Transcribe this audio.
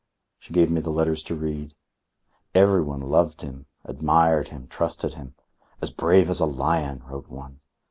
She gave me the letters to read. Everyone loved him, admired him, trusted him. "As brave as a lion," wrote one.